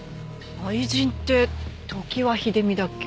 愛人って常盤秀美だっけ？